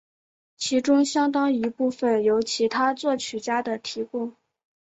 其中相当一部分由其他作曲家的提供。